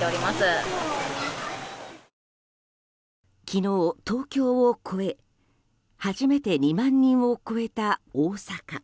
昨日、東京を超え初めて２万人を超えた大阪。